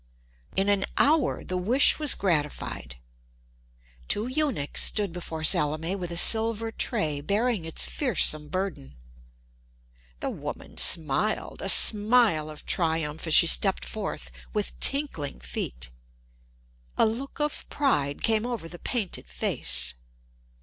In an hour the wish was gratified. Two eunuchs stood before Salome with a silver tray bearing its fearsome burden. The woman smiled—a smile of triumph, as she stepped forth with tinkling feet. A look of pride came over the painted face.